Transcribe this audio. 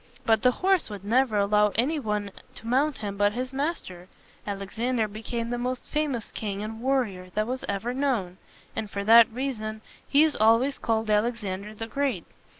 But the horse would never allow any one to mount him but his master. Alexander became the most famous king and warrior that was ever known; and for that reason he is always called Alexander the Great.